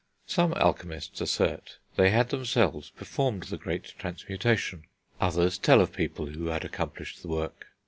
Some alchemists assert they had themselves performed the great transmutation; others tell of people who had accomplished the work.